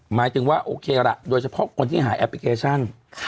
หมายถึงว่าโอเคล่ะโดยเฉพาะคนที่หาแอปพลิเคชัน